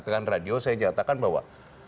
atau di kategori radio saya nyatakan bahwa